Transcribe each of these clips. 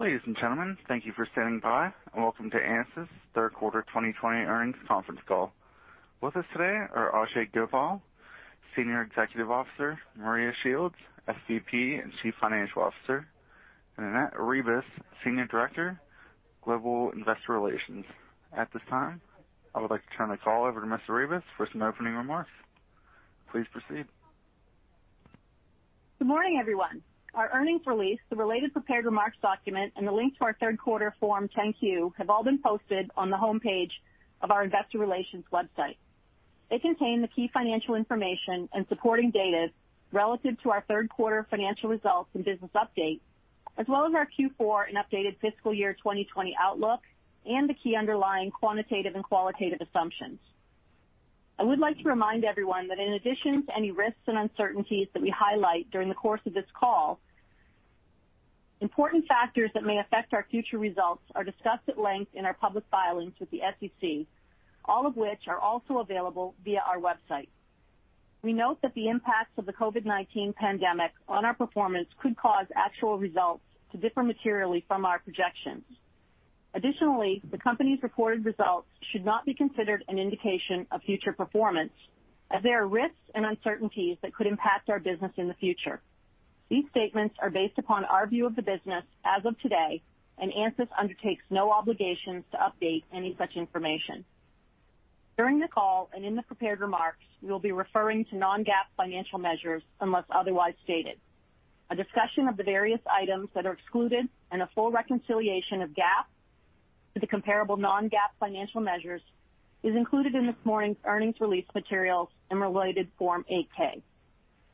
Ladies and gentlemen, thank you for standing by, and welcome to ANSYS' Third Quarter 2020 Earnings Conference Call. With us today are Ajei Gopal, Senior Executive Officer, Maria Shields, SVP and Chief Financial Officer, and Annette Arribas, Senior Director, Global Investor Relations. At this time, I would like to turn the call over to Ms. Arribas for some opening remarks. Please proceed. Good morning, everyone. Our earnings release, the related prepared remarks document, and the link to our third quarter Form 10-Q have all been posted on the homepage of our investor relations website. They contain the key financial information and supporting data relative to our third-quarter financial results and business update, as well as our Q4 and updated fiscal year 2020 outlook, and the key underlying quantitative and qualitative assumptions. I would like to remind everyone that in addition to any risks and uncertainties that we highlight during the course of this call, important factors that may affect our future results are discussed at length in our public filings with the SEC, all of which are also available via our website. We note that the impacts of the COVID-19 pandemic on our performance could cause actual results to differ materially from our projections. Additionally, the company's reported results should not be considered an indication of future performance, as there are risks and uncertainties that could impact our business in the future. These statements are based upon our view of the business as of today, ANSYS undertakes no obligations to update any such information. During the call and in the prepared remarks, we'll be referring to non-GAAP financial measures, unless otherwise stated. A discussion of the various items that are excluded and a full reconciliation of GAAP to the comparable non-GAAP financial measures is included in this morning's earnings release materials and related Form 8-K.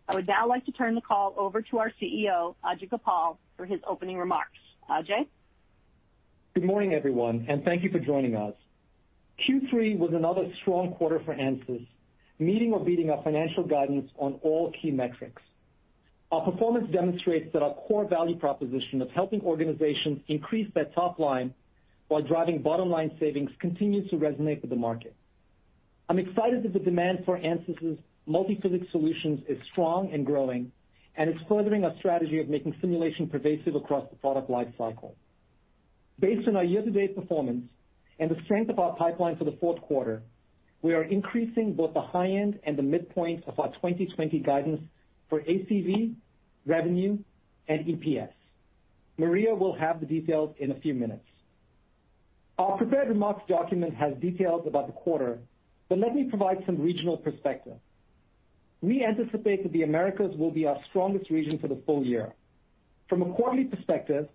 I would now like to turn the call over to our CEO, Ajei Gopal, for his opening remarks. Ajei? Good morning, everyone, and thank you for joining us. Q3 was another strong quarter for ANSYS, meeting or beating our financial guidance on all key metrics. Our performance demonstrates that our core value proposition of helping organizations increase their top line while driving bottom-line savings continues to resonate with the market. I'm excited that the demand for ANSYS' multiphysics solutions is strong and growing, and is furthering our strategy of making simulation pervasive across the product lifecycle. Based on our year-to-date performance and the strength of our pipeline for the fourth quarter, we are increasing both the high end and the midpoint of our 2020 guidance for ACV, revenue, and EPS. Maria will have the details in a few minutes. Our prepared remarks document has details about the quarter, but let me provide some regional perspective. We anticipate that the Americas will be our strongest region for the full year. From a quarterly perspective,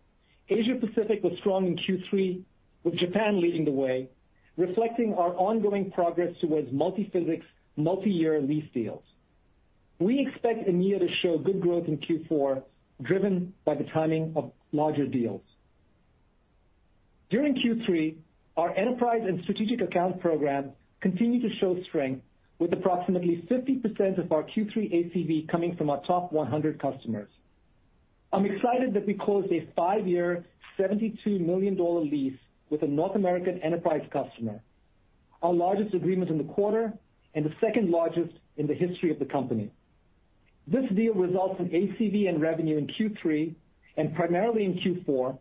Asia Pacific was strong in Q3, with Japan leading the way, reflecting our ongoing progress towards multiphysics, multi-year lease deals. We expect EMEA to show good growth in Q4, driven by the timing of larger deals. During Q3, our enterprise and strategic accounts program continued to show strength, with approximately 50% of our Q3 ACV coming from our top 100 customers. I'm excited that we closed a five-year, $72 million lease with a North American enterprise customer, our largest agreement in the quarter and the second largest in the history of the company. This deal results in ACV and revenue in Q3 and primarily in Q4,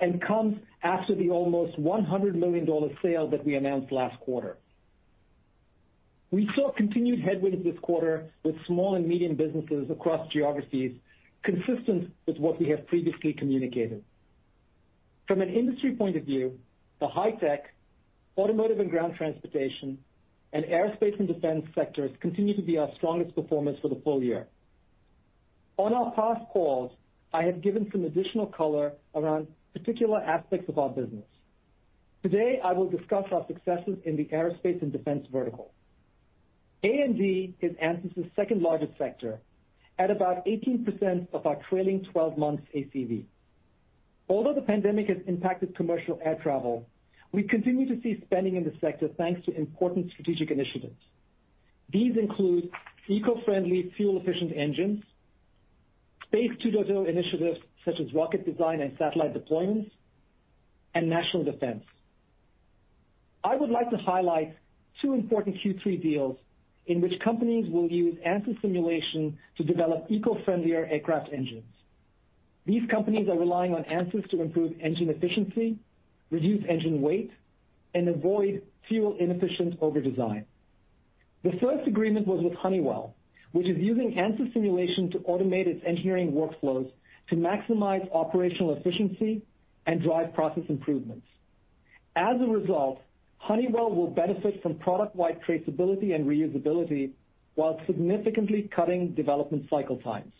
and comes after the almost $100 million sale that we announced last quarter. We saw continued headwinds this quarter with small and medium businesses across geographies, consistent with what we have previously communicated. From an industry point of view, the high tech, automotive and ground transportation, and aerospace and defense sectors continue to be our strongest performers for the full year. On our past calls, I have given some additional color around particular aspects of our business. Today, I will discuss our successes in the aerospace and defense vertical. A&D is ANSYS' second-largest sector, at about 18% of our trailing 12 months ACV. Although the pandemic has impacted commercial air travel, we continue to see spending in this sector thanks to important strategic initiatives. These include eco-friendly, fuel-efficient engines, Space 2.0 initiatives such as rocket design and satellite deployments, and national defense. I would like to highlight two important Q3 deals in which companies will use ANSYS simulation to develop eco-friendlier aircraft engines. These companies are relying on ANSYS to improve engine efficiency, reduce engine weight, and avoid fuel-inefficient overdesign. The first agreement was with Honeywell, which is using ANSYS simulation to automate its engineering workflows to maximize operational efficiency and drive process improvements. As a result, Honeywell will benefit from product-wide traceability and reusability while significantly cutting development cycle times.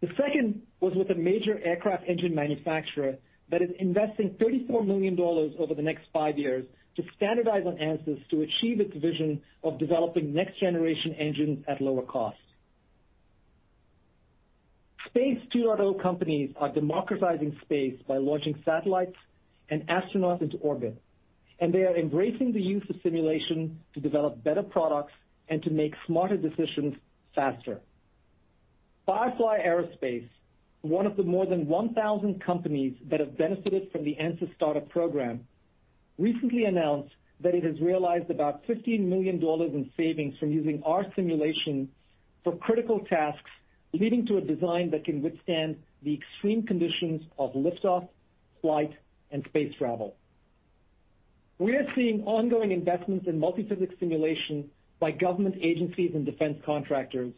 The second was with a major aircraft engine manufacturer that is investing $34 million over the next five years to standardize on ANSYS to achieve its vision of developing next-generation engines at lower costs. Space 2.0 companies are democratizing space by launching satellites and astronauts into orbit, and they are embracing the use of simulation to develop better products and to make smarter decisions faster. Firefly Aerospace, one of the more than 1,000 companies that have benefited from the ANSYS Startup Program, recently announced that it has realized about $15 million in savings from using our simulation for critical tasks, leading to a design that can withstand the extreme conditions of liftoff, flight, and space travel. We are seeing ongoing investments in multiphysics simulation by government agencies and defense contractors,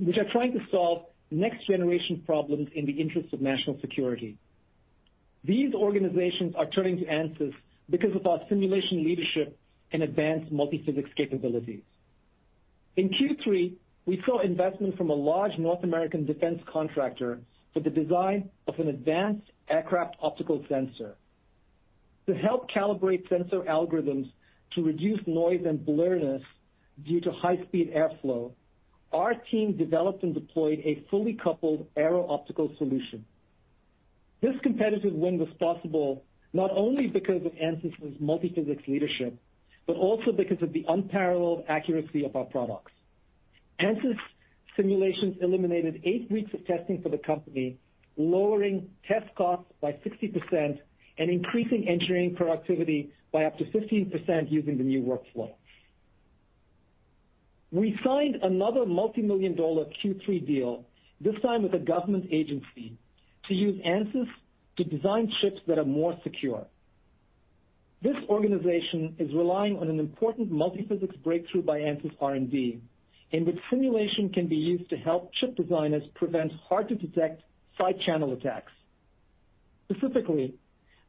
which are trying to solve next-generation problems in the interest of national security. These organizations are turning to ANSYS because of our simulation leadership in advanced multiphysics capabilities. In Q3, we saw investment from a large North American defense contractor for the design of an advanced aircraft optical sensor. To help calibrate sensor algorithms to reduce noise and blurriness due to high-speed airflow, our team developed and deployed a fully coupled aero-optical solution. This competitive win was possible not only because of ANSYS' multiphysics leadership, but also because of the unparalleled accuracy of our products. ANSYS simulations eliminated eight weeks of testing for the company, lowering test costs by 60% and increasing engineering productivity by up to 15% using the new workflow. We signed another multimillion-dollar Q3 deal, this time with a government agency, to use ANSYS to design chips that are more secure. This organization is relying on an important multiphysics breakthrough by ANSYS R&D, in which simulation can be used to help chip designers prevent hard-to-detect side channel attacks. Specifically,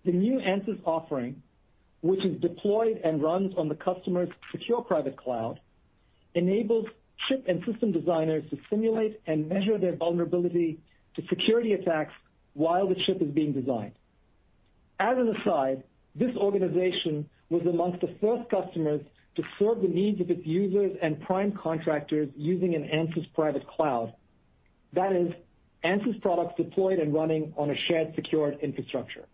the new ANSYS offering, which is deployed and runs on the customer's secure private cloud, enables chip and system designers to simulate and measure their vulnerability to security attacks while the chip is being designed. As an aside, this organization was amongst the first customers to serve the needs of its users and prime contractors using an ANSYS private cloud. That is, ANSYS products deployed and running on a shared secured infrastructure.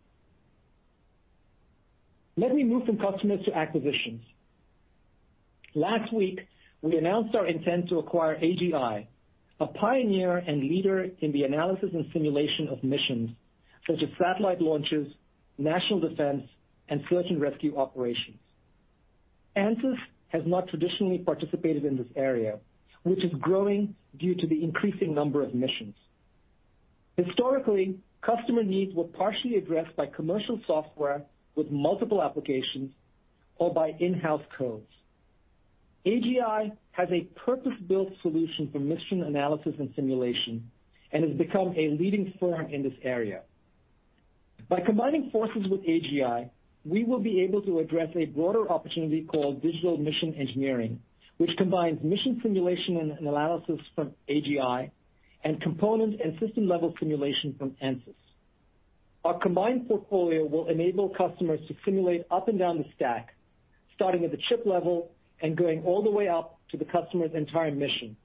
Let me move from customers to acquisitions. Last week, we announced our intent to acquire AGI, a pioneer and leader in the analysis and simulation of missions such as satellite launches, national defense, and search and rescue operations. ANSYS has not traditionally participated in this area, which is growing due to the increasing number of missions. Historically, customer needs were partially addressed by commercial software with multiple applications or by in-house codes. AGI has a purpose-built solution for mission analysis and simulation and has become a leading firm in this area. By combining forces with AGI, we will be able to address a broader opportunity called digital mission engineering, which combines mission simulation and analysis from AGI and component- and system-level simulation from ANSYS. Our combined portfolio will enable customers to simulate up and down the stack, starting at the chip level and going all the way up to the customer's entire mission,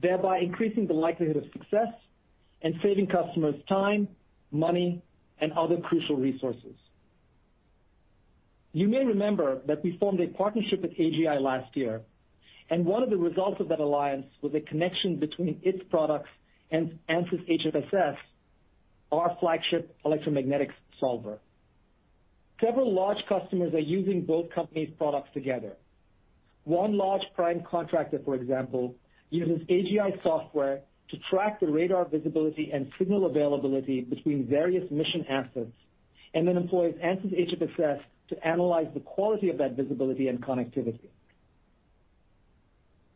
thereby increasing the likelihood of success and saving customers time, money, and other crucial resources. You may remember that we formed a partnership with AGI last year, and one of the results of that alliance was a connection between its products and ANSYS HFSS, our flagship electromagnetics solver. Several large customers are using both companies' products together. One large prime contractor, for example, uses AGI software to track the radar visibility and signal availability between various mission assets, and then employs ANSYS HFSS to analyze the quality of that visibility and connectivity.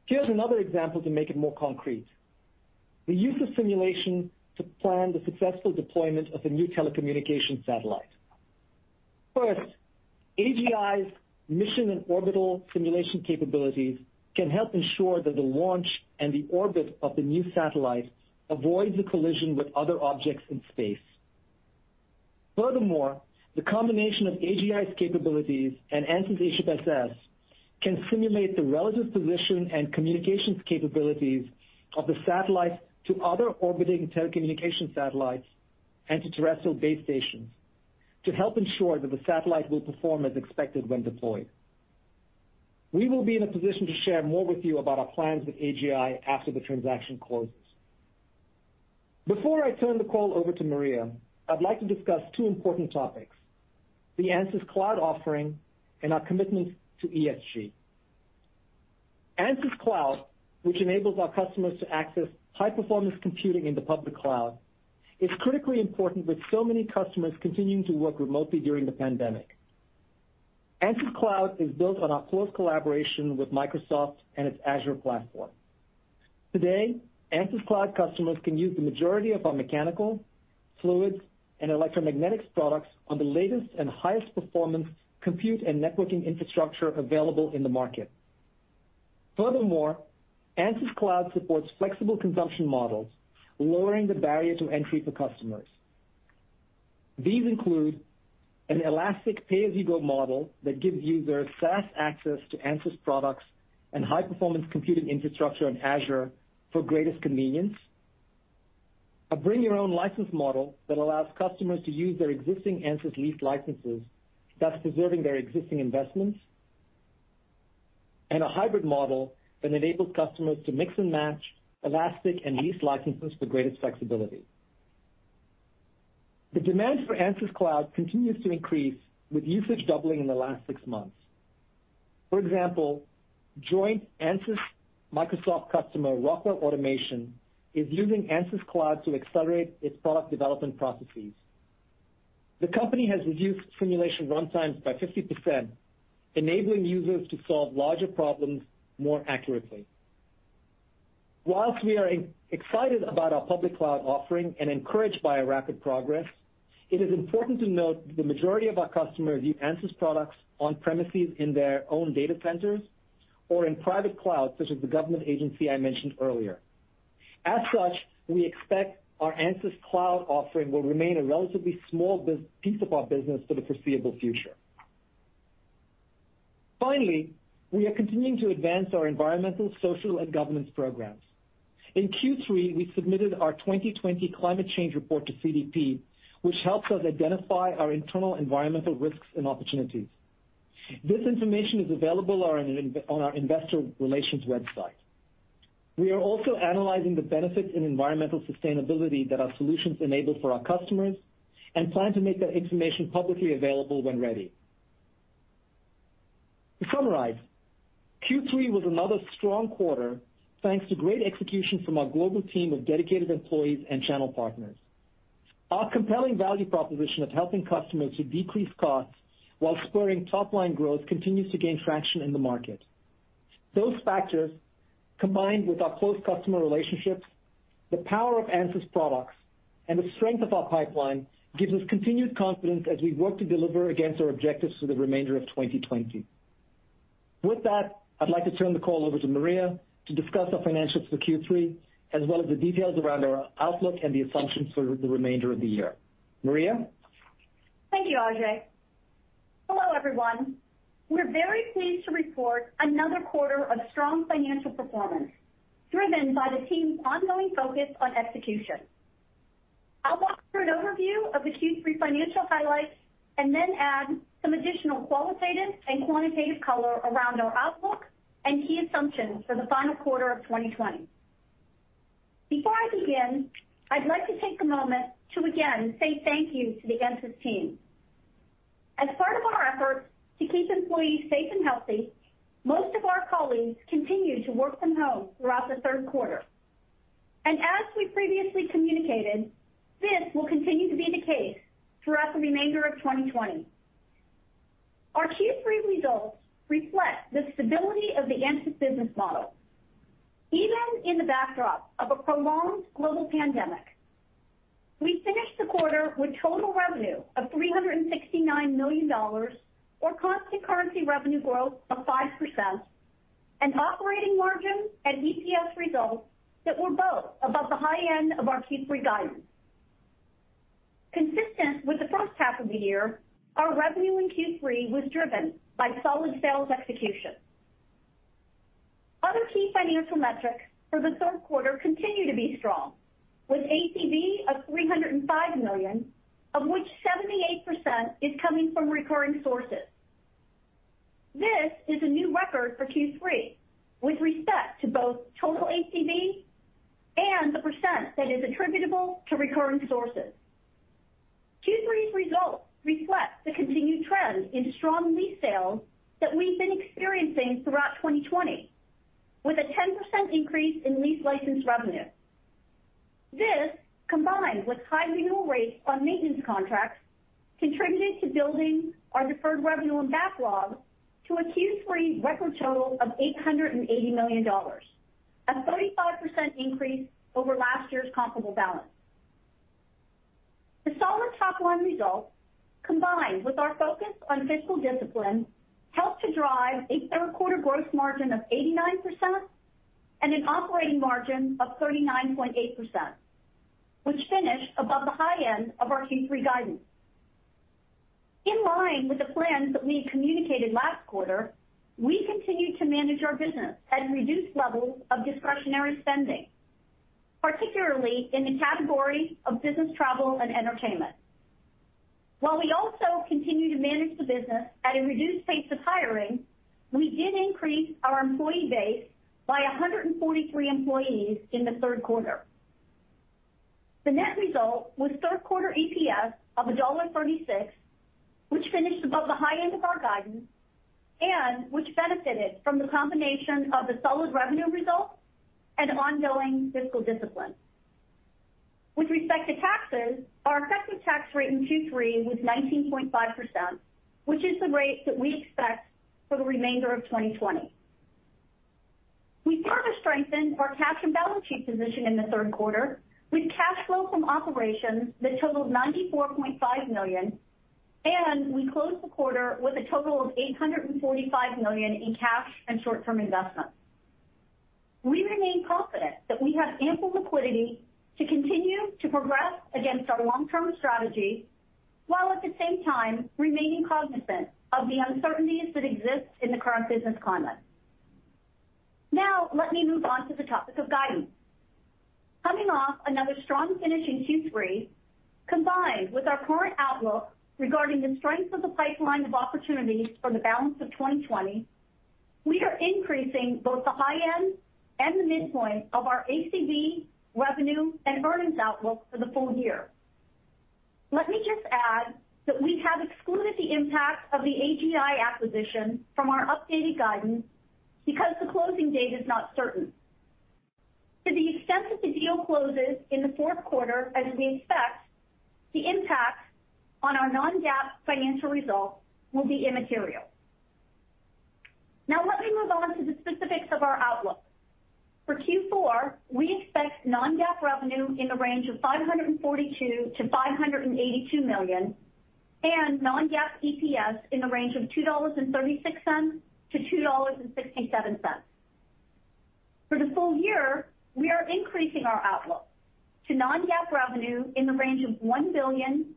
Here's another example to make it more concrete. The use of simulation to plan the successful deployment of a new telecommunication satellite. First, AGI's mission and orbital simulation capabilities can help ensure that the launch and the orbit of the new satellite avoids a collision with other objects in space. Furthermore, the combination of AGI's capabilities and ANSYS HFSS can simulate the relative position and communications capabilities of the satellite to other orbiting telecommunication satellites and to terrestrial base stations to help ensure that the satellite will perform as expected when deployed. We will be in a position to share more with you about our plans with AGI after the transaction closes. Before I turn the call over to Maria, I'd like to discuss two important topics, the ANSYS Cloud offering and our commitment to ESG. ANSYS Cloud, which enables our customers to access high-performance computing in the public cloud, is critically important with so many customers continuing to work remotely during the pandemic. ANSYS Cloud is built on our close collaboration with Microsoft and its Azure platform. Today, ANSYS Cloud customers can use the majority of our mechanical, fluids, and electromagnetics products on the latest and highest performance compute and networking infrastructure available in the market. Furthermore, ANSYS Cloud supports flexible consumption models, lowering the barrier to entry for customers. These include an elastic pay-as-you-go model that gives users fast access to ANSYS products and high-performance computing infrastructure on Azure for greatest convenience. A bring your own license model that allows customers to use their existing ANSYS leased licenses, thus preserving their existing investments. A hybrid model that enables customers to mix and match elastic and lease licenses for greatest flexibility. The demand for ANSYS Cloud continues to increase, with usage doubling in the last six months. For example, joint ANSYS-Microsoft customer, Rockwell Automation, is using ANSYS Cloud to accelerate its product development processes. The company has reduced simulation runtimes by 50%, enabling users to solve larger problems more accurately. Whilst we are excited about our public cloud offering and encouraged by our rapid progress, it is important to note that the majority of our customers use ANSYS products on-premises in their own data centers, or in private clouds, such as the government agency I mentioned earlier. As such, we expect our ANSYS Cloud offering will remain a relatively small piece of our business for the foreseeable future. Finally, we are continuing to advance our environmental, social, and governance programs. In Q3, we submitted our 2020 climate change report to CDP, which helps us identify our internal environmental risks and opportunities. This information is available on our investor relations website. We are also analyzing the benefits in environmental sustainability that our solutions enable for our customers and plan to make that information publicly available when ready. To summarize, Q3 was another strong quarter thanks to great execution from our global team of dedicated employees and channel partners. Our compelling value proposition of helping customers to decrease costs while spurring top-line growth continues to gain traction in the market. Those factors, combined with our close customer relationships, the power of ANSYS products, and the strength of our pipeline, gives us continued confidence as we work to deliver against our objectives for the remainder of 2020. With that, I'd like to turn the call over to Maria to discuss our financials for Q3, as well as the details around our outlook and the assumptions for the remainder of the year. Maria? Thank you, Ajei. Hello, everyone. We're very pleased to report another quarter of strong financial performance driven by the team's ongoing focus on execution. I'll walk through an overview of the Q3 financial highlights and then add some additional qualitative and quantitative color around our outlook and key assumptions for the final quarter of 2020. Before I begin, I'd like to take a moment to again say thank you to the ANSYS team. As part of our efforts to keep employees safe and healthy, most of our colleagues continued to work from home throughout the third quarter. As we previously communicated, this will continue to be the case throughout the remainder of 2020. Our Q3 results reflect the stability of the ANSYS business model. Even in the backdrop of a prolonged global pandemic, we finished the quarter with total revenue of $369 million, or constant currency revenue growth of 5%, and operating margin and EPS results that were both above the high end of our Q3 guidance. Consistent with the first half of the year, our revenue in Q3 was driven by solid sales execution. Other key financial metrics for the third quarter continue to be strong, with ACV of $305 million, of which 78% is coming from recurring sources. This is a new record for Q3 with respect to both total ACV and the percent that is attributable to recurring sources. Q3's results reflect the continued trend into strong lease sales that we've been experiencing throughout 2020, with a 10% increase in lease license revenue. This, combined with high renewal rates on maintenance contracts, contributed to building our deferred revenue and backlog to a Q3 record total of $880 million, a 35% increase over last year's comparable balance. The solid top-line results, combined with our focus on fiscal discipline, helped to drive a third quarter gross margin of 89% and an operating margin of 39.8%, which finished above the high end of our Q3 guidance. In line with the plans that we communicated last quarter, we continued to manage our business at reduced levels of discretionary spending, particularly in the category of business travel and entertainment. While we also continue to manage the business at a reduced pace of hiring, we did increase our employee base by 143 employees in the third quarter. The net result was third quarter EPS of $1.36, which finished above the high end of our guidance and which benefited from the combination of the solid revenue results and ongoing fiscal discipline. With respect to taxes, our effective tax rate in Q3 was 19.5%, which is the rate that we expect for the remainder of 2020. We further strengthened our cash and balance sheet position in the third quarter with cash flow from operations that totaled $94.5 million, and we closed the quarter with a total of $845 million in cash and short-term investments. We remain confident that we have ample liquidity to continue to progress against our long-term strategy, while at the same time remaining cognizant of the uncertainties that exist in the current business climate. Now, let me move on to the topic of guidance. Coming off another strong finish in Q3, combined with our current outlook regarding the strength of the pipeline of opportunities for the balance of 2020, we are increasing both the high end and the midpoint of our ACV revenue and earnings outlook for the full year. Let me just add that we have excluded the impact of the AGI acquisition from our updated guidance because the closing date is not certain. To the extent that the deal closes in the fourth quarter as we expect, the impact on our non-GAAP financial results will be immaterial. Now let me move on to the specifics of our outlook. For Q4, we expect non-GAAP revenue in the range of $542 million-$582 million, and non-GAAP EPS in the range of $2.36-$2.67. For the full year, we are increasing our outlook to non-GAAP revenue in the range of $1.610 billion-$1.650 billion,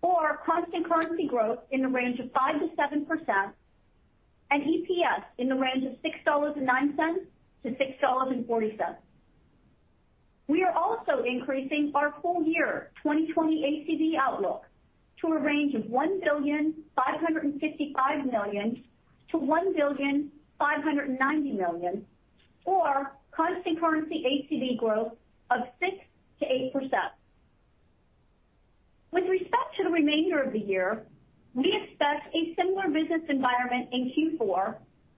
or constant currency growth in the range of 5%-7%, and EPS in the range of $6.09-$6.40. We are also increasing our full year 2020 ACV outlook to a range of $1.555 billion-$1.590 billion, or constant currency ACV growth of 6%-8%. With respect to the remainder of the year, we expect a similar business environment in Q4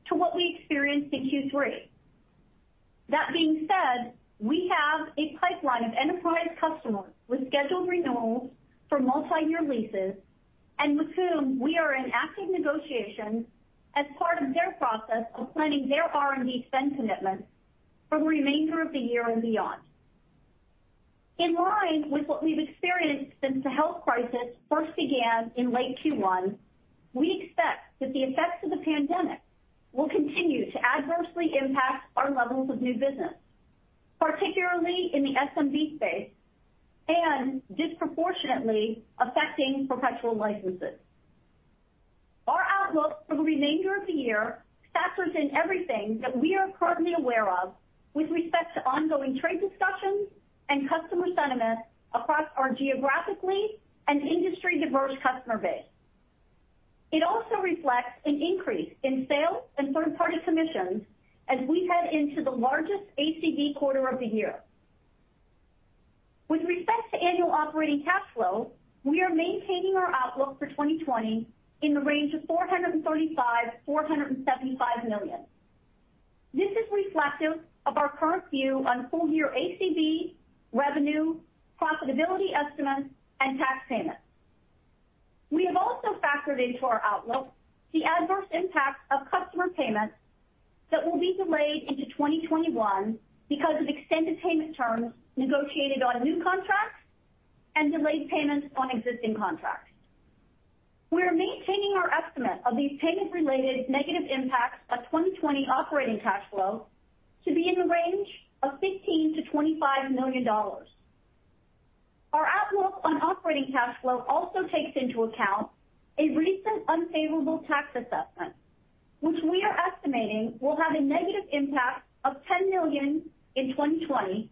to what we experienced in Q3. That being said, we have a pipeline of enterprise customers with scheduled renewals for multi-year leases and with whom we are in active negotiations as part of their process of planning their R&D spend commitments for the remainder of the year and beyond. In line with what we've experienced since the health crisis first began in late Q1, we expect that the effects of the pandemic will continue to adversely impact our levels of new business, particularly in the SMB space, and disproportionately affecting perpetual licenses. Our outlook for the remainder of the year factors in everything that we are currently aware of with respect to ongoing trade discussions and customer sentiment across our geographically and industry-diverse customer base. It also reflects an increase in sales and third-party commissions as we head into the largest ACV quarter of the year. With respect to annual operating cash flow, we are maintaining our outlook for 2020 in the range of $435 million-$475 million. This is reflective of our current view on full-year ACV, revenue, profitability estimates, and tax payments. We have also factored into our outlook the adverse impact of customer payments that will be delayed into 2021 because of extended payment terms negotiated on new contracts and delayed payments on existing contracts. We are maintaining our estimate of these payment-related negative impacts of 2020 operating cash flow to be in the range of $15 million-$25 million. Our outlook on operating cash flow also takes into account a recent unfavorable tax assessment, which we are estimating will have a negative impact of $10 million in 2020,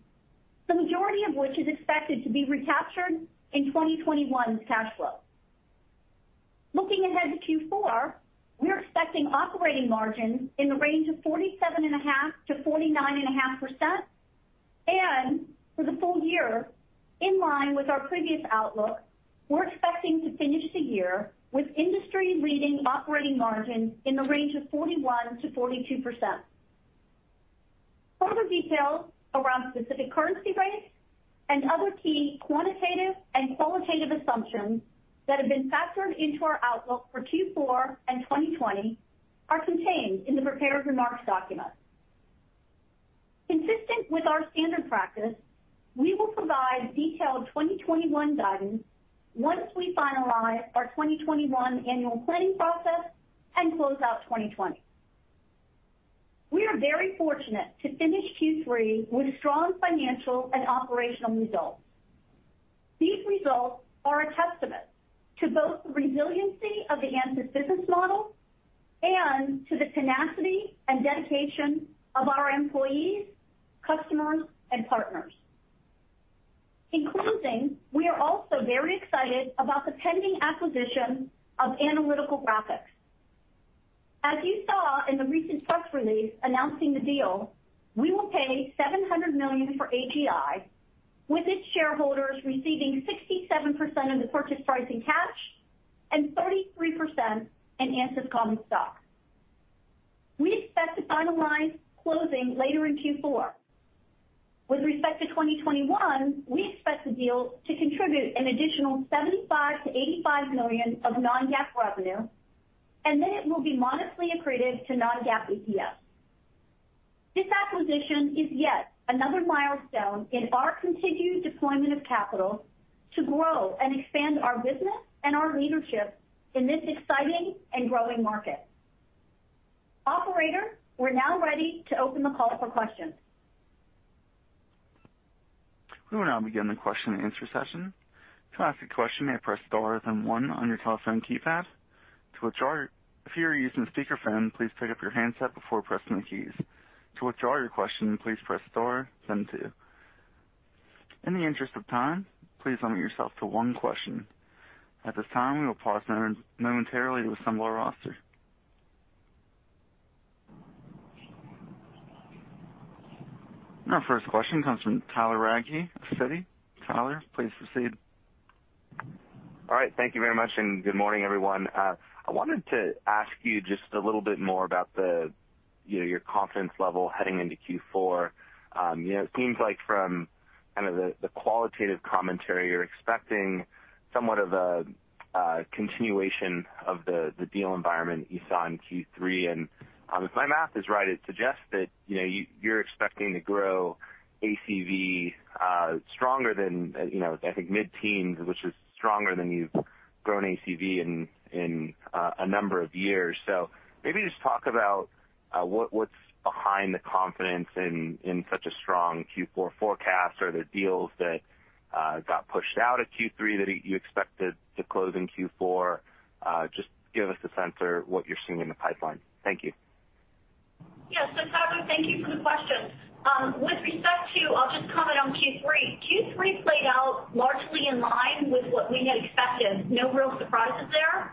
the majority of which is expected to be recaptured in 2021's cash flow. Looking ahead to Q4, we're expecting operating margins in the range of 47.5%-49.5%, and for the full year, in line with our previous outlook, we're expecting to finish the year with industry-leading operating margins in the range of 41%-42%. Further details around specific currency rates and other key quantitative and qualitative assumptions that have been factored into our outlook for Q4 and 2020 are contained in the prepared remarks document. Consistent with our standard practice, we will provide detailed 2021 guidance once we finalize our 2021 annual planning process and close out 2020. We are very fortunate to finish Q3 with strong financial and operational results. These results are a testament to both the resiliency of the ANSYS business model and to the tenacity and dedication of our employees, customers, and partners. In closing, we are also very excited about the pending acquisition of Analytical Graphics. As you saw in the recent press release announcing the deal, we will pay $700 million for AGI, with its shareholders receiving 67% of the purchase price in cash and 33% in ANSYS common stock. We expect to finalize closing later in Q4. With respect to 2021, we expect the deal to contribute an additional $75 million-$85 million of non-GAAP revenue, and then it will be modestly accretive to non-GAAP EPS. This acquisition is yet another milestone in our continued deployment of capital to grow and expand our business and our leadership in this exciting and growing market. Operator, we're now ready to open the call for questions. We will now begin the question and answer session. To ask a question, you may press star then one on your telephone keypad. If you are using a speakerphone, please pick up your handset before pressing the keys. To withdraw your question, please press star then two. In the interest of time, please limit yourself to one question. At this time, we will pause momentarily to assemble our roster. Our first question comes from Tyler Radke of Citi. Tyler, please proceed. All right. Thank you very much, and good morning, everyone. I wanted to ask you just a little bit more about your confidence level heading into Q4. It seems like from the qualitative commentary, you're expecting somewhat of a continuation of the deal environment you saw in Q3. If my math is right, it suggests that you're expecting to grow ACV stronger than, I think mid-teens, which is stronger than you've grown ACV in a number of years. Maybe just talk about what's behind the confidence in such a strong Q4 forecast. Are there deals that got pushed out of Q3 that you expected to close in Q4? Give us a sense of what you're seeing in the pipeline. Thank you. Yeah. Tyler, thank you for the question. With respect to, I'll just comment on Q3. Q3 played out largely in line with what we had expected. No real surprises there.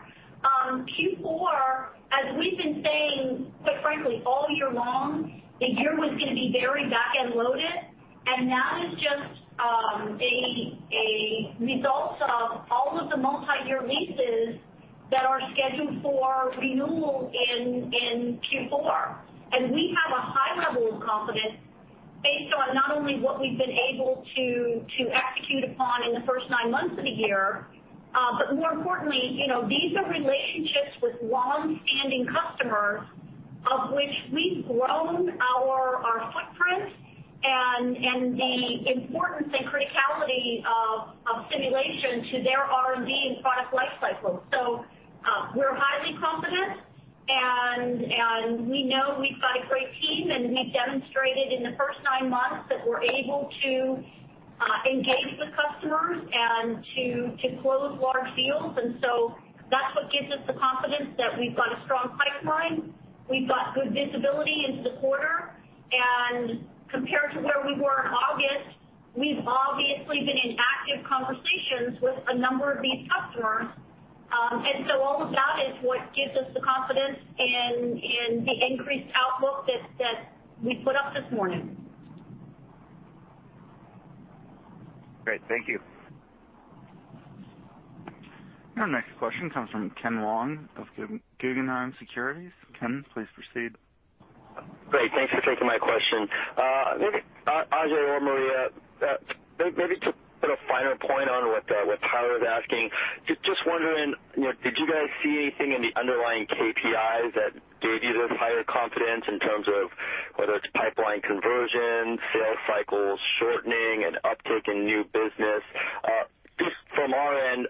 Q4, as we've been saying, quite frankly, all year long, the year was going to be very back-end loaded, and that is just a result of all of the multi-year leases that are scheduled for renewal in Q4. We have a high level of confidence based on not only what we've been able to execute upon in the first nine months of the year, but more importantly, these are relationships with longstanding customers of which we've grown our footprint and the importance and criticality of simulation to their R&D and product life cycle. We're highly confident, we know we've got a great team, we've demonstrated in the first nine months that we're able to engage with customers and to close large deals. That's what gives us the confidence that we've got a strong pipeline, we've got good visibility into the quarter, and compared to where we were in August, we've obviously been in active conversations with a number of these customers. All of that is what gives us the confidence in the increased outlook that we put up this morning. Great. Thank you. Our next question comes from Ken Wong of Guggenheim Securities. Ken, please proceed. Great. Thanks for taking my question. Maybe Ajei or Maria, maybe to put a finer point on what Tyler was asking, just wondering, did you guys see anything in the underlying KPIs that gave you this higher confidence in terms of whether it's pipeline conversion, sales cycles shortening, and uptick in new business? Just from our end,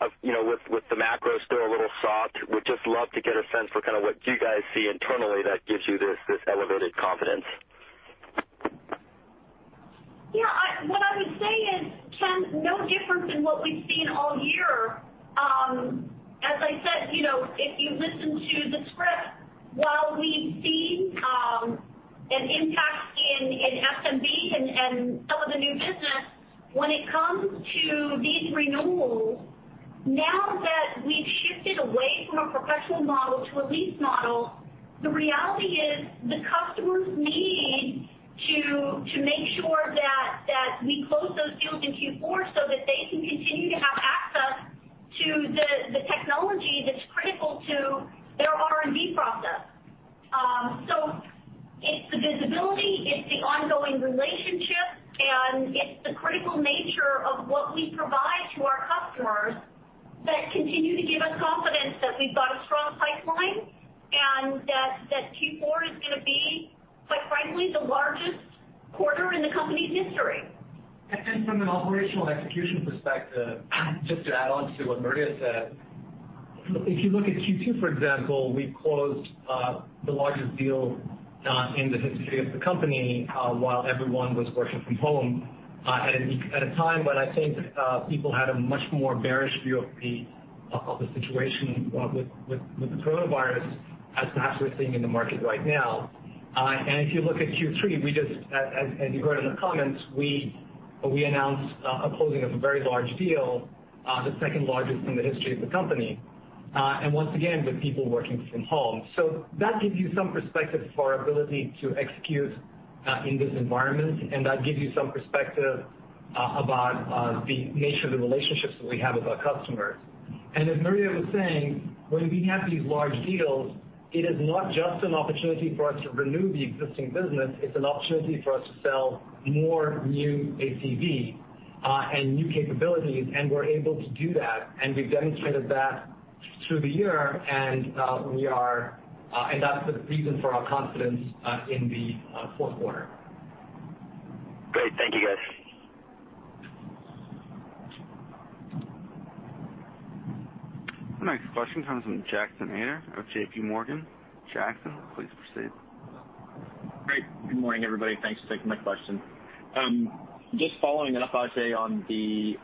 with the macro still a little soft, would just love to get a sense for what you guys see internally that gives you this elevated confidence. Yeah. What I would say is, Ken, no difference in what we've seen all year. As I said, if you listen to the script, while we've seen an impact in SMB and some of the new business, when it comes to these renewals, now that we've shifted away from a professional model to a lease model, the reality is the customers need to make sure that we close those deals in Q4 so that they can continue to have access to the technology that's critical to their R&D process. It's the visibility, it's the ongoing relationship, and it's the critical nature of what we provide to our customers that continue to give us confidence that we've got a strong pipeline, and that Q4 is going to be, quite frankly, the largest quarter in the company's history. From an operational execution perspective, just to add on to what Maria said, if you look at Q2, for example, we closed the largest deal in the history of the company while everyone was working from home at a time when I think people had a much more bearish view of the situation with the coronavirus as perhaps we're seeing in the market right now. If you look at Q3, as you heard in the comments, we announced the closing of a very large deal, the second largest in the history of the company. Once again, with people working from home. That gives you some perspective for our ability to execute in this environment, and that gives you some perspective about the nature of the relationships that we have with our customers. As Maria was saying, when we have these large deals, it is not just an opportunity for us to renew the existing business, it's an opportunity for us to sell more new ACV and new capabilities, and we're able to do that, and we've demonstrated that through the year, and that's the reason for our confidence in the fourth quarter. Great. Thank you, guys. Our next question comes from Jackson Ader of JPMorgan. Jackson, please proceed. Great. Good morning, everybody. Thanks for taking my question. Following up, Ajei, on the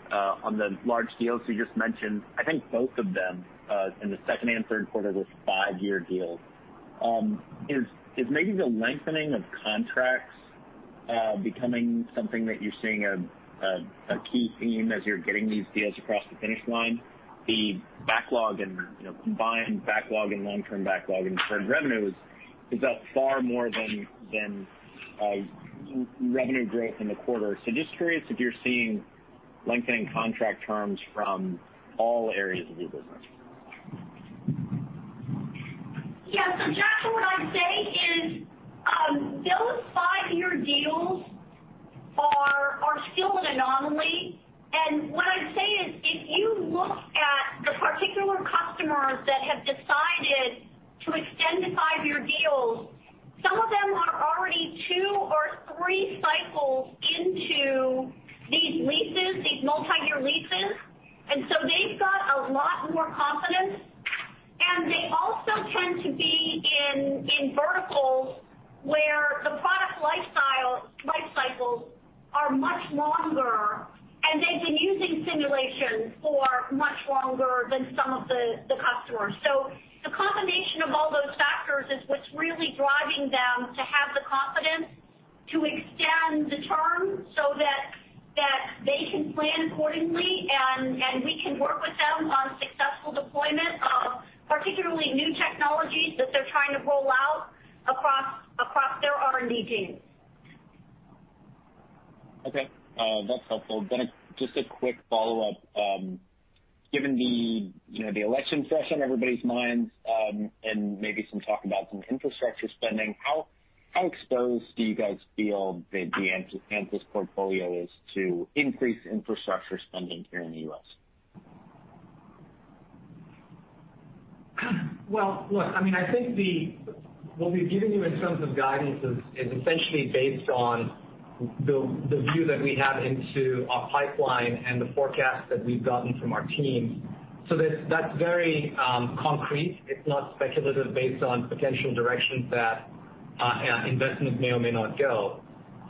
large deals you just mentioned. I think both of them, in the second and third quarter, those five-year deals. Is maybe the lengthening of contracts becoming something that you're seeing a key theme as you're getting these deals across the finish line? The backlog and combined backlog and long-term backlog and deferred revenue is up far more than revenue growth in the quarter. Just curious if you're seeing lengthening contract terms from all areas of your business. Yeah. Jackson, what I'd say is those five-year deals are still an anomaly. What I'd say is, if you look at the particular customers that have decided to extend to five-year deals, some of them are already two or three cycles into these leases, these multi-year leases. They've got a lot more confidence, and they also tend to be in verticals where the product life cycles are much longer, and they've been using simulation for much longer than some of the customers. The combination of all those factors is what's really driving them to have the confidence to extend the term so that they can plan accordingly, and we can work with them on successful deployment of particularly new technologies that they're trying to roll out across their R&D teams. Okay. That's helpful. Just a quick follow-up. Given the election fresh on everybody's minds, and maybe some talk about some infrastructure spending, how exposed do you guys feel that the ANSYS portfolio is to increased infrastructure spending here in the U.S.? Look, I think what we've given you in terms of guidance is essentially based on the view that we have into our pipeline and the forecast that we've gotten from our teams. That's very concrete. It's not speculative based on potential directions that investments may or may not go.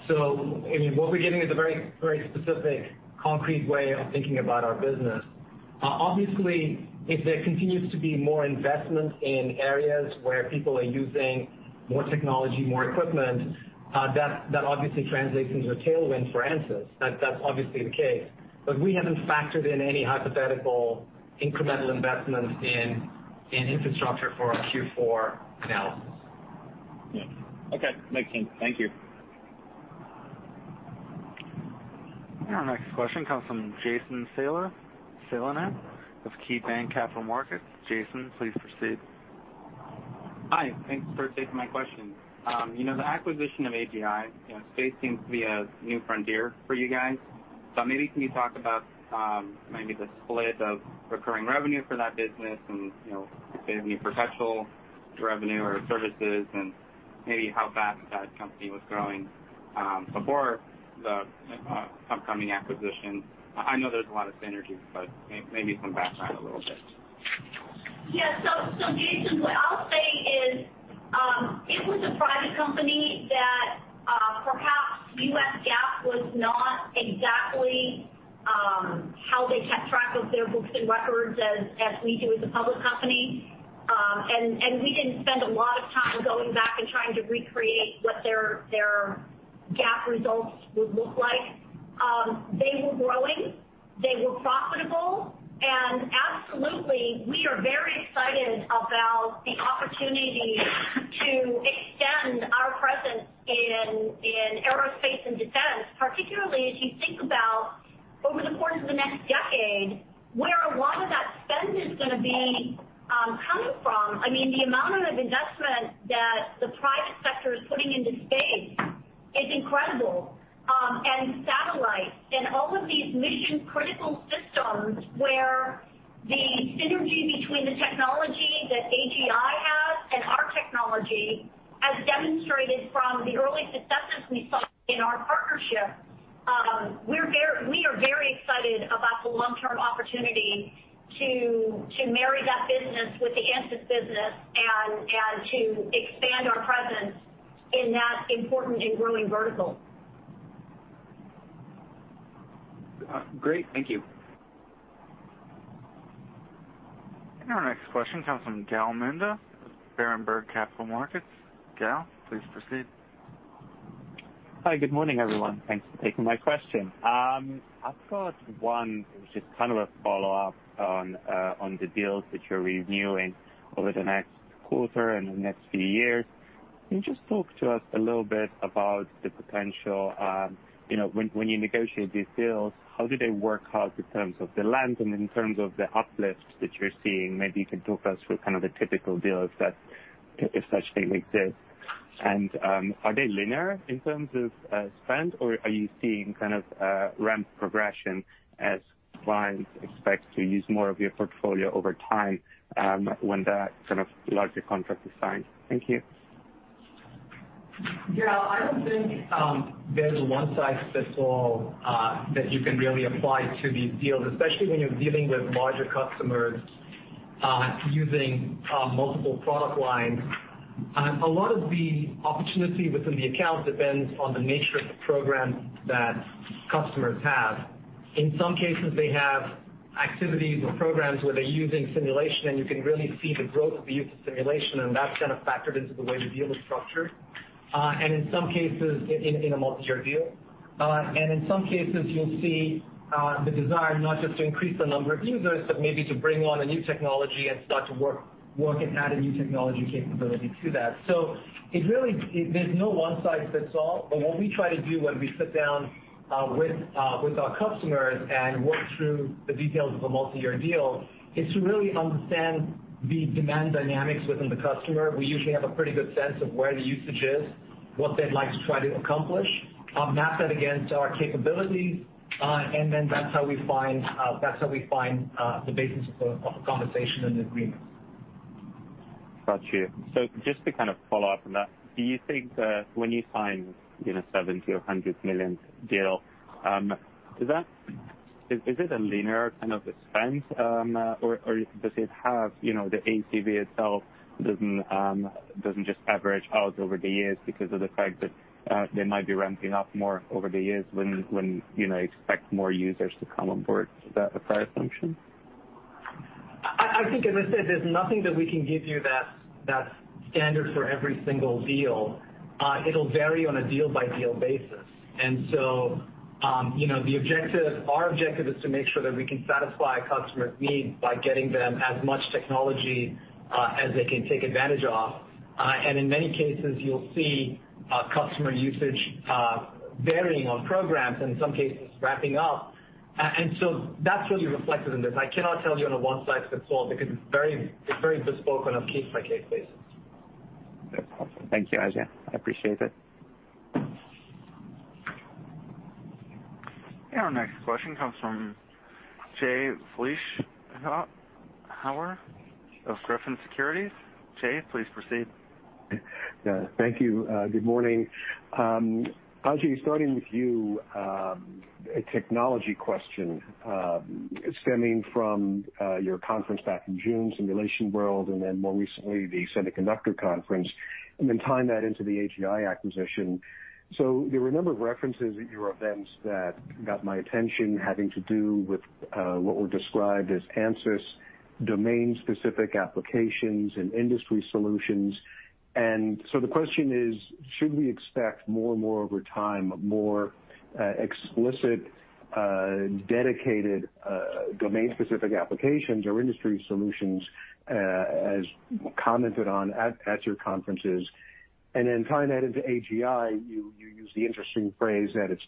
What we're giving is a very specific, concrete way of thinking about our business. If there continues to be more investment in areas where people are using more technology, more equipment, that obviously translates into a tailwind for ANSYS. That's obviously the case. We haven't factored in any hypothetical incremental investment in infrastructure for our Q4 analysis. Yeah. Okay. Makes sense. Thank you. Our next question comes from Jason Celino of KeyBanc Capital Markets. Jason, please proceed. Hi. Thanks for taking my question. The acquisition of AGI. Space seems to be a new frontier for you guys. Maybe can you talk about maybe the split of recurring revenue for that business and if there's any perpetual revenue or services and maybe how fast that company was growing before the upcoming acquisition? I know there's a lot of synergies, but maybe some background a little bit. Yeah. Jason, what I'll say is, it was a private company that perhaps U.S. GAAP was not exactly how they kept track of their books and records as we do as a public company. We didn't spend a lot of time going back and trying to recreate what their GAAP results would look like. They were growing, they were profitable, and absolutely, we are very excited about the opportunity to extend our presence in Aerospace and Defense, particularly as you think about over the course of the next decade, where a lot of that spend is going to be coming from. The amount of investment that the private sector is putting into space is incredible. Satellites and all of these mission-critical systems where the synergy between the technology that AGI has and our technology, as demonstrated from the early successes we saw in our partnership, we are very excited about the long-term opportunity to marry that business with the ANSYS business and to expand our presence in that important and growing vertical. Great. Thank you. Our next question comes from Gal Munda of Berenberg Capital Markets. Gal, please proceed. Hi. Good morning, everyone. Thanks for taking my question. I've got one, which is kind of a follow-up on the deals that you're renewing over the next quarter and the next few years. Can you just talk to us a little bit about the potential, when you negotiate these deals, how do they work out in terms of the length and in terms of the uplift that you're seeing? Maybe you can talk us through kind of the typical deals that, if such thing exists. Are they linear in terms of spend, or are you seeing kind of ramp progression as clients expect to use more of your portfolio over time when that kind of larger contract is signed? Thank you. Yeah, I don't think there's a one-size-fits-all that you can really apply to these deals, especially when you're dealing with larger customers using multiple product lines. A lot of the opportunity within the account depends on the nature of the program that customers have. In some cases, they have activities or programs where they're using simulation, and you can really see the growth of the use of simulation, and that's kind of factored into the way the deal is structured, and in some cases, in a multi-year deal. In some cases, you'll see the desire not just to increase the number of users, but maybe to bring on a new technology and start to work and add a new technology capability to that. There's no one-size-fits-all. What we try to do when we sit down with our customers and work through the details of a multi-year deal is to really understand the demand dynamics within the customer. We usually have a pretty good sense of where the usage is, what they'd like to try to accomplish, map that against our capabilities, and then that's how we find the basis of a conversation and agreement. Got you. Just to kind of follow up on that, do you think that when you sign a $70 million or $100 million deal, is it a linear kind of expense? Or does it have the ACV itself doesn't just average out over the years because of the fact that they might be ramping up more over the years when you expect more users to come on board? Is that a fair assumption? I think, as I said, there's nothing that we can give you that's standard for every single deal. It'll vary on a deal-by-deal basis. Our objective is to make sure that we can satisfy a customer's needs by getting them as much technology as they can take advantage of. In many cases, you'll see customer usage varying on programs, in some cases ramping up. That's really reflected in this. I cannot tell you on a one-size-fits-all because it's very bespoke on a case-by-case basis. Okay. Thank you, Ajei. I appreciate it. Our next question comes from Jay Vleeschhouwer of Griffin Securities. Jay, please proceed. Yeah. Thank you. Good morning. Ajei, starting with you, a technology question stemming from your conference back in June, Simulation World, more recently, the Semiconductor Conference, tying that into the AGI acquisition. There were a number of references at your events that got my attention, having to do with what were described as ANSYS domain-specific applications and industry solutions. The question is: should we expect more and more over time, more explicit, dedicated domain-specific applications or industry solutions, as commented on at your conferences? Tying that into AGI, you used the interesting phrase that it's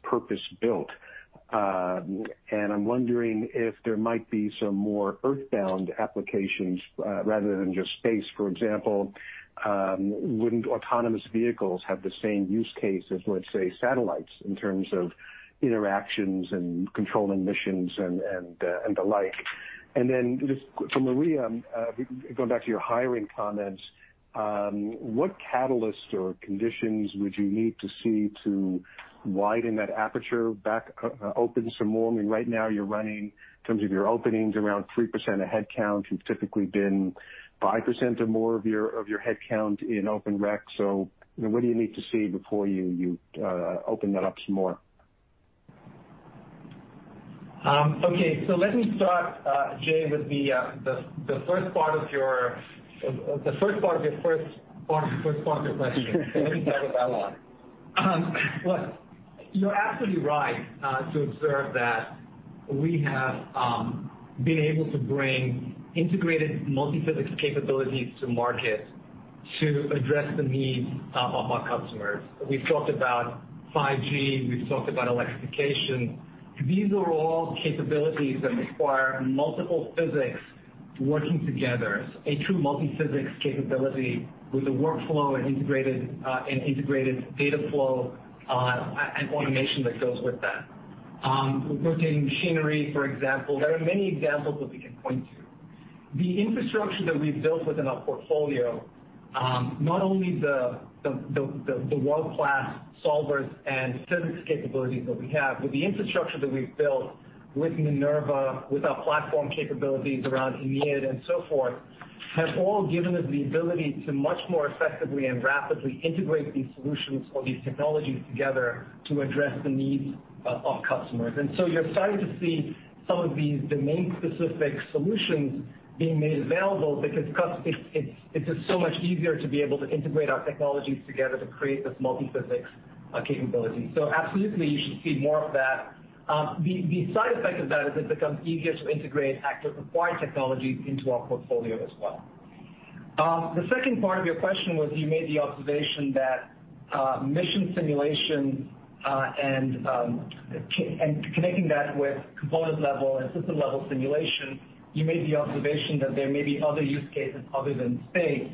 purpose-built. I'm wondering if there might be some more earthbound applications, rather than just space, for example. Wouldn't autonomous vehicles have the same use case as, let's say, satellites in terms of interactions and controlling missions and the like? Just for Maria, going back to your hiring comments, what catalyst or conditions would you need to see to widen that aperture back open some more? I mean, right now you're running, in terms of your openings, around 3% of headcount. You've typically been 5% or more of your headcount in open rec. What do you need to see before you open that up some more? Let me start, Jay, with the first part of your question. Let me start with that one. Look, you're absolutely right to observe that we have been able to bring integrated multiphysics capabilities to market to address the needs of our customers. We've talked about 5G, we've talked about electrification. These are all capabilities that require multiple physics working together, a true multiphysics capability with a workflow and integrated data flow, and automation that goes with that. Rotating machinery, for example. There are many examples that we can point to. The infrastructure that we've built within our portfolio, not only the world-class solvers and physics capabilities that we have, but the infrastructure that we've built with Minerva, with our platform capabilities around EMIT and so forth, have all given us the ability to much more effectively and rapidly integrate these solutions or these technologies together to address the needs of our customers. You're starting to see some of these domain-specific solutions being made available because it's just so much easier to be able to integrate our technologies together to create this multiphysics capability. Absolutely, you should see more of that. The side effect of that is it becomes easier to integrate acquired technology into our portfolio as well. The second part of your question was you made the observation that mission simulation, and connecting that with component-level and system-level simulation, you made the observation that there may be other use cases other than space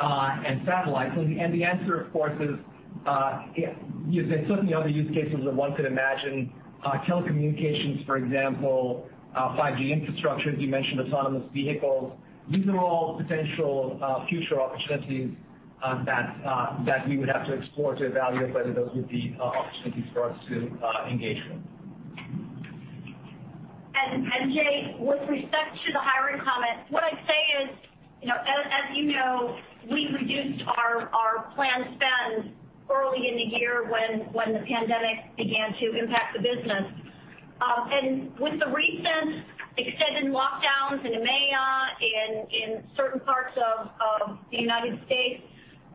and satellites. The answer, of course, is there's certainly other use cases that one could imagine. Telecommunications, for example, 5G infrastructure, as you mentioned, autonomous vehicles. These are all potential future opportunities that we would have to explore to evaluate whether those would be opportunities for us to engage with. Jay, with respect to the hiring comment, what I'd say is, as you know, we reduced our planned spend early in the year when the pandemic began to impact the business. With the recent extended lockdowns in EMEA, in certain parts of the United States,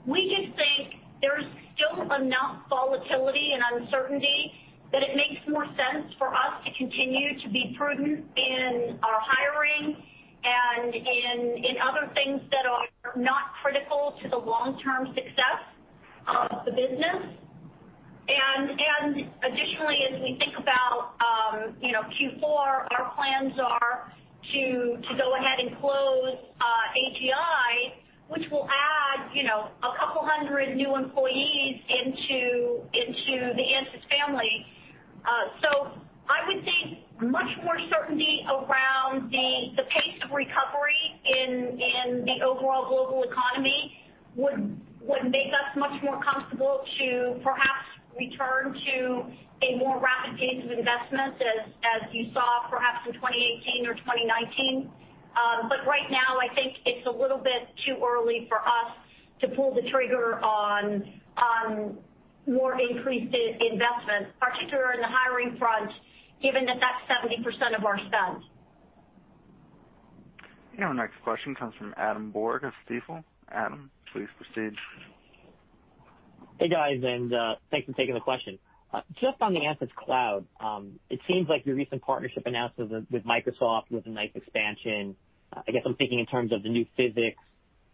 we just think there's still enough volatility and uncertainty that it makes more sense for us to continue to be prudent in our hiring and in other things that are not critical to the long-term success of the business. Additionally, as we think about Q4, our plans are to go ahead and close AGI, which will add a couple hundred new employees into the ANSYS family. I would say much more certainty around the pace of recovery in the overall global economy would make us much more comfortable to perhaps return to a more rapid pace of investment as you saw perhaps in 2018 or 2019. Right now, I think it's a little bit too early for us to pull the trigger on more increased investment, particularly in the hiring front, given that that's 70% of our spend. Our next question comes from Adam Borg of Stifel. Adam, please proceed. Hey, guys, thanks for taking the question. Just on the ANSYS Cloud, it seems like your recent partnership announcement with Microsoft was a nice expansion. I guess I'm thinking in terms of the new physics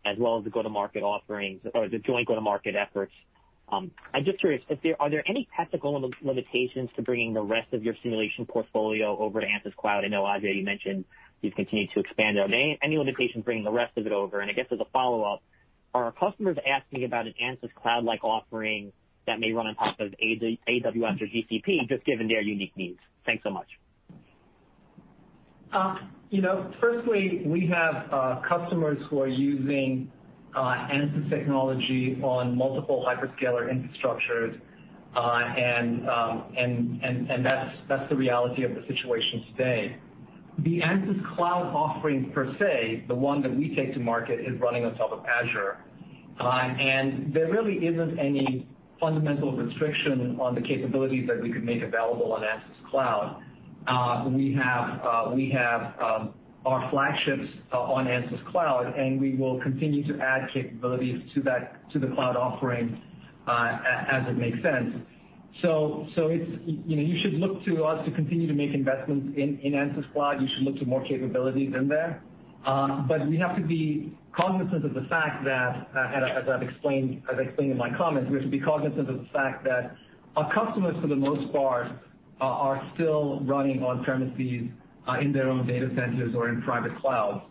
as well as the go-to-market offerings or the joint go-to-market efforts. I'm just curious, are there any practical limitations to bringing the rest of your simulation portfolio over to ANSYS Cloud? I know Ajei, you mentioned you've continued to expand there. Are there any limitations bringing the rest of it over? I guess as a follow-up, are customers asking about an ANSYS Cloud-like offering that may run on top of AWS or GCP, just given their unique needs? Thanks so much. Firstly, we have customers who are using ANSYS technology on multiple hyperscaler infrastructures, that's the reality of the situation today. The ANSYS Cloud offering per se, the one that we take to market, is running on top of Azure. There really isn't any fundamental restriction on the capabilities that we could make available on ANSYS Cloud. We have our flagships on ANSYS Cloud, we will continue to add capabilities to the cloud offering as it makes sense. You should look to us to continue to make investments in ANSYS Cloud. You should look to more capabilities in there. We have to be cognizant of the fact that, as I've explained in my comments, we have to be cognizant of the fact that our customers, for the most part, are still running on-premises in their own data centers or in private clouds.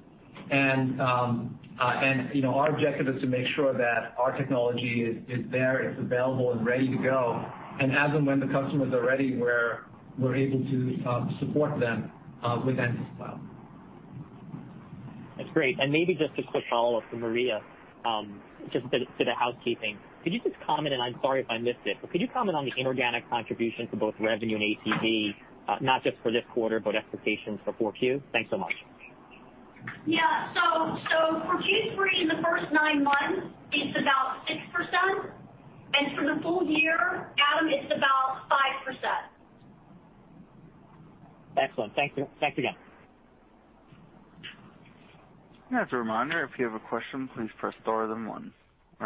Our objective is to make sure that our technology is there, it's available and ready to go. As and when the customers are ready, we're able to support them with ANSYS Cloud. That's great. Maybe just a quick follow-up for Maria, just a bit of housekeeping. Could you just comment, and I'm sorry if I missed it, but could you comment on the inorganic contribution to both revenue and ACV, not just for this quarter, but expectations for 4Q? Thanks so much. Yeah. For Q3, in the first nine months, it's about 6%. For the full year, Adam, it's about 5%. Excellent. Thanks again. Our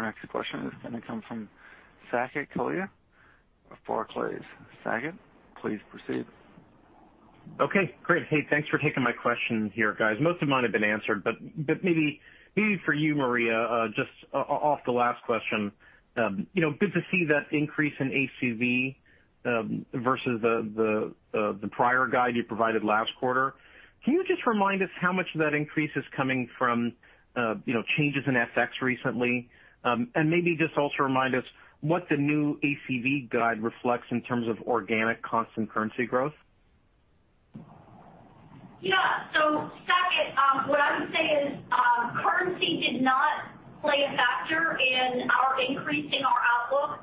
next question is going to come from Saket Kalia of Barclays. Saket, please proceed. Okay, great. Hey, thanks for taking my question here, guys. Most of mine have been answered, but maybe for you, Maria, just off the last question. Good to see that increase in ACV versus the prior guide you provided last quarter. Can you just remind us how much of that increase is coming from changes in FX recently? Maybe just also remind us what the new ACV guide reflects in terms of organic constant currency growth. Yeah. Saket, what I would say is currency did not play a factor in our increasing our outlook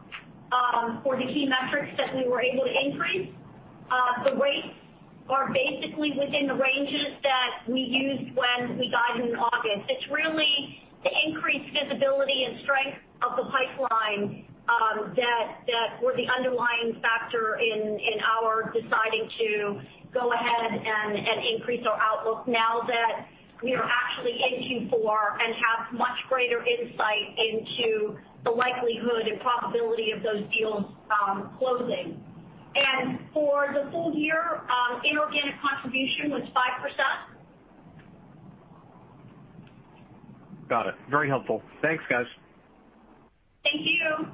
for the key metrics that we were able to increase. The rates are basically within the ranges that we used when we guided in August. It's really the increased visibility and strength of the pipeline that were the underlying factor in our deciding to go ahead and increase our outlook now that we are actually in Q4 and have much greater insight into the likelihood and probability of those deals closing. For the full year, inorganic contribution was 5%. Got it. Very helpful. Thanks, guys. Thank you.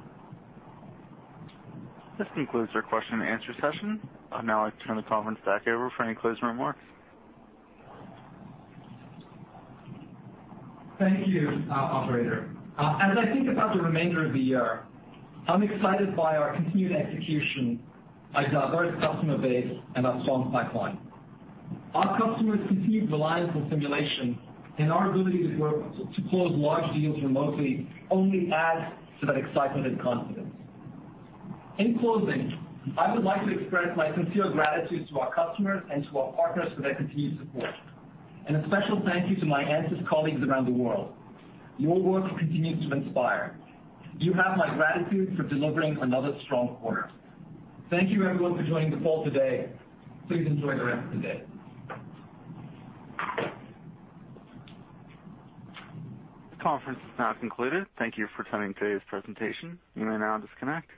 This concludes our question and answer session. Now I turn the conference back over for any closing remarks. Thank you, operator. As I think about the remainder of the year, I'm excited by our continued execution, our diverse customer base, and our strong pipeline. Our customers' continued reliance on simulation and our ability to close large deals remotely only adds to that excitement and confidence. In closing, I would like to express my sincere gratitude to our customers and to our partners for their continued support. A special thank you to my ANSYS colleagues around the world. Your work continues to inspire. You have my gratitude for delivering another strong quarter. Thank you, everyone, for joining the call today. Please enjoy the rest of the day. This conference is now concluded. Thank you for attending today's presentation. You may now disconnect.